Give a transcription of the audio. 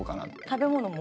食べ物も？